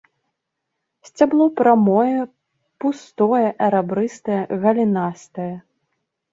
Сцябло прамое, пустое, рабрыстае, галінастае.